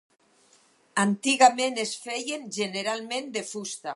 Antigament es feien generalment de fusta.